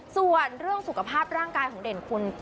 ส่วนเรื่องสุขภาพร่างกายของเด่นคุณ